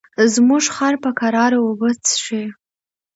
زموږ خر په کراره اوبه څښي.